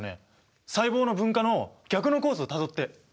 細胞の分化の逆のコースをたどって！